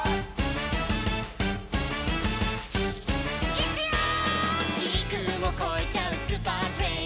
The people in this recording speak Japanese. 「いくよー！」